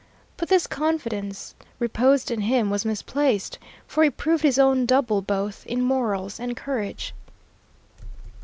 But this confidence reposed in him was misplaced, for he proved his own double both in morals and courage.